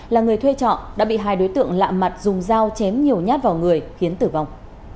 là người thuê trọ đã bị hai đối tượng lạ mặt dùng dao chém nhiều nhát vào người khiến tử vong